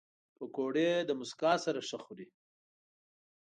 پکورې له موسکا سره ښه خوري